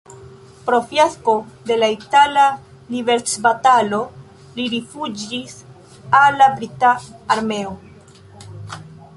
Pro fiasko de la itala liberecbatalo li rifuĝis al la brita armeo.